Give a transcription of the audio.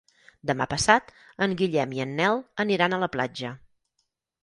Demà passat en Guillem i en Nel aniran a la platja.